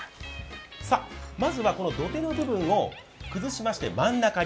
まずは、この土手の部分を崩しまして真ん中に。